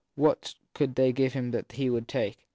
What could they give him that he would take?